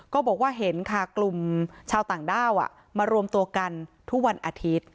ก็บอกว่าเห็นค่ะกลุ่มชาวต่างด้าวมารวมตัวกันทุกวันอาทิตย์